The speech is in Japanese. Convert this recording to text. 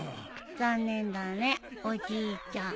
残念だねおじいちゃん。